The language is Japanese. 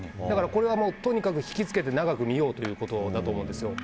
だから、とにかく引き付けて長く見ようということだと思うんです。